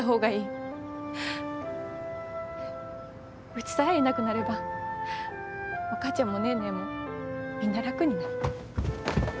うちさえいなくなればお母ちゃんもネーネーもみんな楽になる。